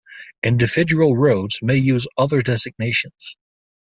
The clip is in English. Individual roads may use other designations.